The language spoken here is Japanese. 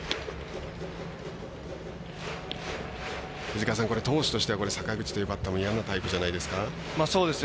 藤川さん、投手としては坂口というバッターも嫌なタイプじゃないですか。